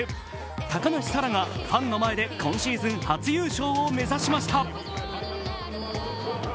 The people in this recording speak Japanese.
高梨沙羅がファンの前で今シーズン初優勝を目指しました。